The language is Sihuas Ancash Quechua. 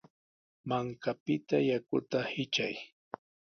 Mankapita yakuta hitray.